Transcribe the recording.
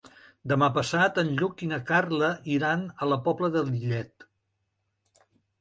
Demà passat en Lluc i na Carla iran a la Pobla de Lillet.